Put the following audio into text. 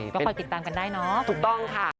ก็คอยติดตามกันได้เนาะ